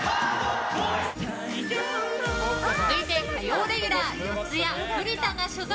続いて、火曜レギュラー四谷、栗田が所属。